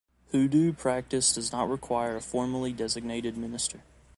Hoodoo practice does not require a formally designated minister.